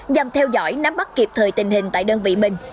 nhằm theo dõi nắm bắt kịp thời tình hình tại đơn vị mình